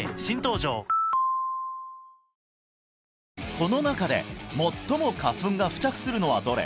この中で最も花粉が付着するのはどれ？